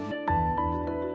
proses penyulingan ini